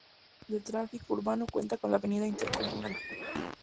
Como principal vía de tráfico urbano cuenta con la Avenida Intercomunal.